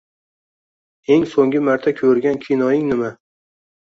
Eng so'nggi marta k'organ kinoing nima?